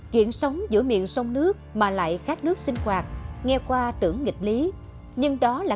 chuyện sống giữa miệng sông nước mà lại khát nước sinh hoạt nghe qua tưởng nghịch lý nhưng đó là